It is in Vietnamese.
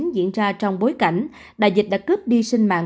diễn ra trong bối cảnh đại dịch đã cướp đi sinh mạng